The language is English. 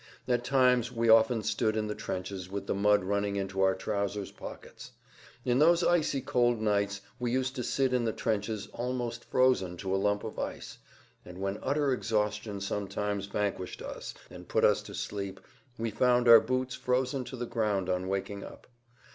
At times we often stood in the trenches with the mud running into our trousers' pockets. In those icy cold nights we used to sit in the trenches almost frozen to a lump of ice, and when utter exhaustion sometimes vanquished us and put us to sleep we found our boots frozen to the ground on waking up.